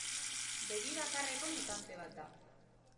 Begi bakarreko mutante bat da.